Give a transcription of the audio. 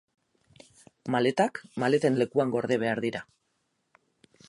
Maletak maleten lekuan gorde behar dira.